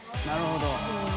なるほど。